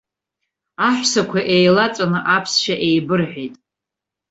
Аҳәсақәа еилаҵәаны аԥсшәа еибырҳәеит.